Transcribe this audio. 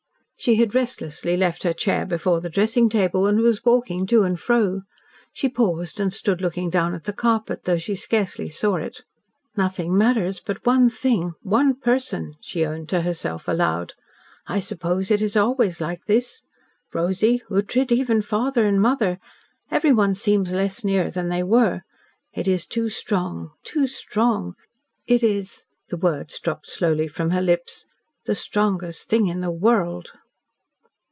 She had restlessly left her chair before the dressing table, and was walking to and fro. She paused and stood looking down at the carpet, though she scarcely saw it. "Nothing matters but one thing one person," she owned to herself aloud. "I suppose it is always like this. Rosy, Ughtred, even father and mother everyone seems less near than they were. It is too strong too strong. It is " the words dropped slowly from her lips, "the strongest thing in the world."